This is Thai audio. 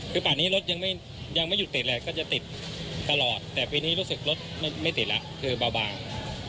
คือป่านนี้รถยังไม่หยุดติดเลยก็จะติดตลอดแต่ปีนี้รู้สึกรถไม่ติดแล้วคือเบาบาง